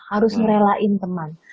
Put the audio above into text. harus ngerelain teman